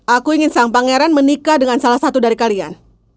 aku ingin sang pangeran menikah dengan salah satu dari kalian